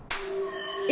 え？